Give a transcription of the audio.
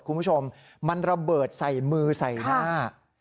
คุณผู้ชมมันระเบิดใส่มือใส่หน้า